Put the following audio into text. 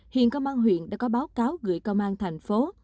hiện công an huyện đã có báo cáo gửi công an thành phố